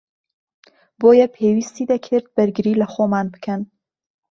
بۆیە پێویستی دەکرد بەرگری لەخۆمان بکەن